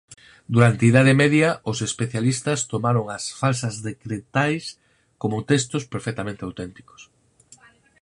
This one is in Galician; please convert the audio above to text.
Durante a Idade Media os especialistas tomaron as "Falsas decretais" como textos perfectamente auténticos.